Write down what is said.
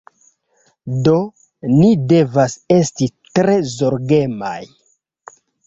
Do, ni devas esti tre zorgemaj